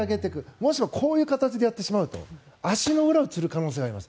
もしもこういう形でやってしまうと足の裏をつる可能性があります。